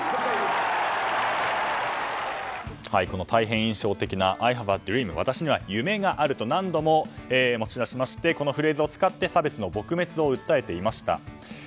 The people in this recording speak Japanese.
大変印象的なＩｈａｖｅａｄｒｅａｍ「私には夢がある」と何度も持ち出しましてこのフレーズを使って差別の撲滅を訴えていました。